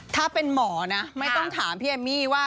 ถ้าเป็นหมอนะไม่ต้องถามพี่เอมมี่ว่า